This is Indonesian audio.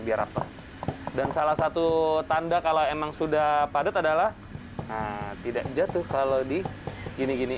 biar apa dan salah satu tanda kalau emang sudah padat adalah tidak jatuh kalau di gini gini